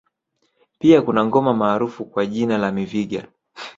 Pia kuna ngoma maarufu kwa jina la Miviga